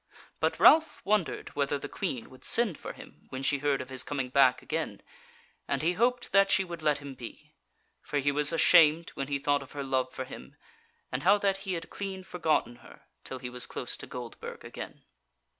But Ralph wondered whether the Queen would send for him when she heard of his coming back again, and he hoped that she would let him be; for he was ashamed when he thought of her love for him, and how that he had clean forgotten her till he was close to Goldburg again.